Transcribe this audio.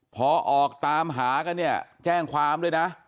พอออกตามหากันเนี่ยแจ้งความด้วยนะ